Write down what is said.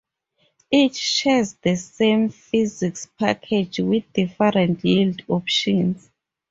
Each shares the same "physics package", with different yield options.